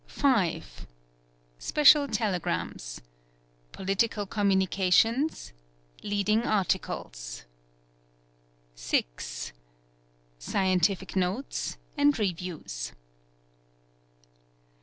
Special telegrams. 5.+ Political communications. Leading Articles. 6. Scientific notes, and reviews.